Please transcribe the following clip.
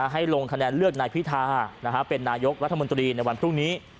ให้ลงคะแนนเลือกนายพิธาเป็นนายกรัฐมนตรีในวันพรุ่งนี้